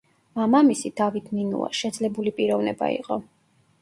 მამამისი, დავით ნინუა, შეძლებული პიროვნება იყო.